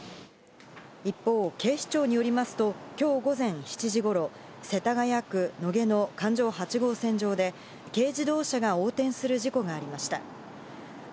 一方、警視庁によりますと今日午前７時頃、世田谷区野毛の環状八号線上で軽自動車が横転する事故がありました。